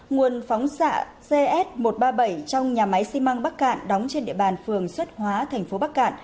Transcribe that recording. nguồn phóng xạ cs một trăm ba mươi bảy trong nhà máy xi măng bắc cạn đóng trên địa bàn phường xuất hóa thành phố bắc cạn